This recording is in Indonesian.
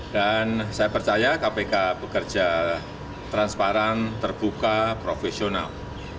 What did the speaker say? dan saya percaya kpk bekerja transparan terbuka profesional